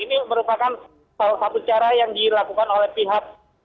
ini merupakan salah satu cara yang dilakukan oleh pihak